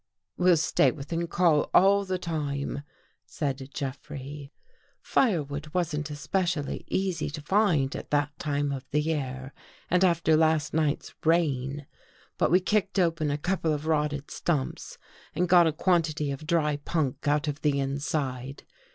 " We'll stay within call all the time," said Jeff rey. 288 THE WATCHERS AND THE WATCHED Firewood wasn't especially easy to find at that time of the year, and after last night's rain. But we kicked open a couple of rotted stumps and got a quantity of dry punk out of the inside.